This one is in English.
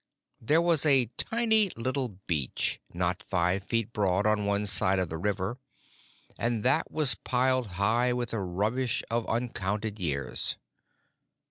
There was a tiny little beach, not five feet broad, on one side of the river, and that was piled high with the rubbish of uncounted years.